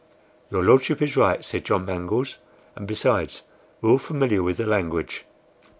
"Your Lordship is right," said John Mangles, "and besides, we're all familiar with the language."